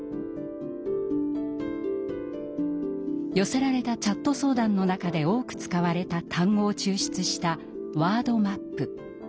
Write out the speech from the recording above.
寄せられたチャット相談の中で多く使われた単語を抽出したワードマップ。